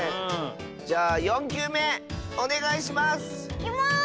じゃあ４きゅうめおねがいします！いきます！